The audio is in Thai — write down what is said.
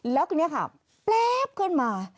แล้วทีนี้ค่ะแป๊บขึ้นมา